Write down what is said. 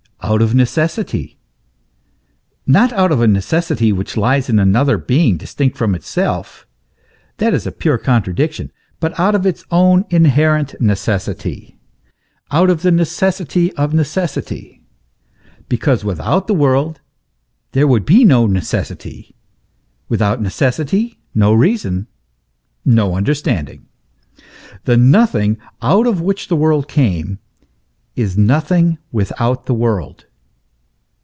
Out of necessity ; not out of a necessity which lies in another being distinct from itself that is a pure contra diction, but out of its own inherent necessity ; out of the necessity of necessity; because without the world there would be no necessity ; without necessity, no reason, no under standing. The nothing, out of which the world came, is nothing without the world.